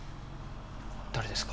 誰ですか？